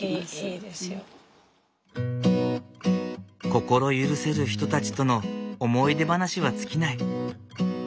心許せる人たちとの思い出話は尽きない。